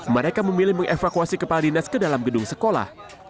mereka memilih mengevakuasi kepala dinas ke dalam gedung sekolah